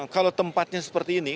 kalau tempatnya seperti ini